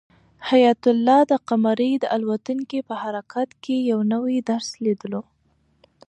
حیات الله د قمرۍ د الوتلو په هر حرکت کې یو نوی درس لیدلو.